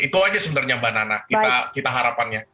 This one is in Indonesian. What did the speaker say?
itu aja sebenarnya mbak nana kita harapannya